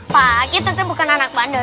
pak kita tuh bukan anak bandel